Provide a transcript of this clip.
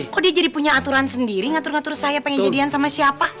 kok dia jadi punya aturan sendiri ngatur ngatur saya pengen jadian sama siapa